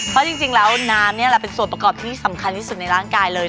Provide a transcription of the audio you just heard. เพราะจริงแล้วน้ำนี่แหละเป็นส่วนประกอบที่สำคัญที่สุดในร่างกายเลย